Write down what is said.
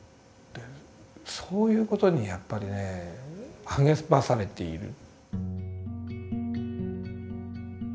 そういうことにやっぱりね励まされている。